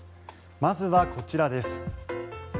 まずはこちらです。